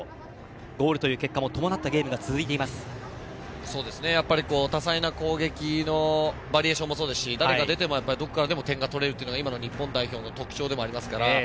ゴールという結果もやっぱり、多彩な攻撃のバリエーションもそうですし誰が出てもどこからでも点が取れるのが今の日本代表の特徴でもありますから。